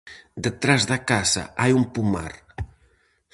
Detrás da casa hai un pomar.